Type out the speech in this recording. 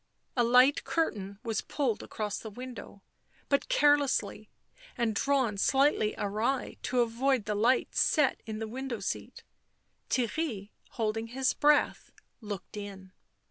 A light curtain was pulled across the window, but carelessly, and drawn slightly awry to avoid the light set in the window seat. Theirry, holding his breath, looked in.